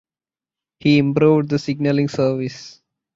He improved the signaling service.